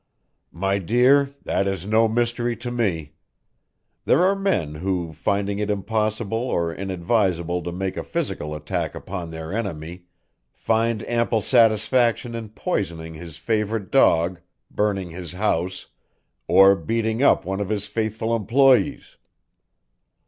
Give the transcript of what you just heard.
"My dear, that is no mystery to me. There are men who, finding it impossible or inadvisable to make a physical attack upon their enemy, find ample satisfaction in poisoning his favourite dog, burning his house, or beating up one of his faithful employees.